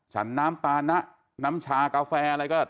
ฉันน้ำปานะน้ำชากาแฟอะไรก็